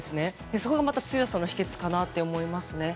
それが強さの秘訣かなと思いますね。